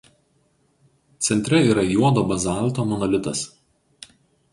Centre yra juodo bazalto monolitas.